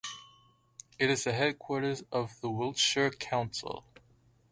It is the headquarters of Wiltshire Council.